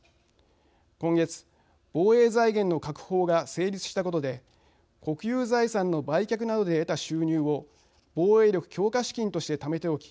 今月、防衛財源の確保法が成立したことで国有財産の売却などで得た収入を防衛力強化資金としてためておき